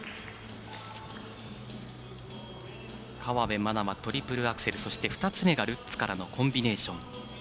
河辺愛菜はトリプルアクセルそして２つ目がルッツからのコンビネーション。